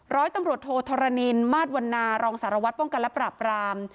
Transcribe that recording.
ร้อยตำรวจโทธรณินมาตรวันนารองสารวัตรป้องกันและปราบราม